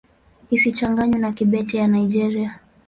Isichanganywe na Kibete ya Nigeria.